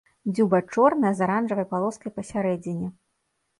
Дзюба чорная з аранжавай палоскай пасярэдзіне.